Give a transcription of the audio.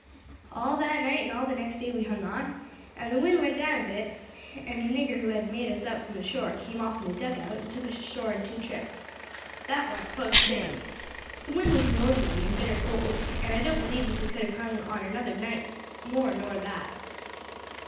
"All that night and all next day we hung on, and then the wind went down a bit, and a nigger who had made us out from the shore came off in a dug out and took us ashore in two trips. That war a close shave. The wind was northerly and bitter cold, and I don't believe as we could have hung on another night more nor that.